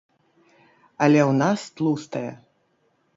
Але ў нас тлустае.